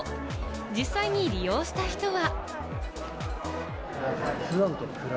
実際に利用した人は。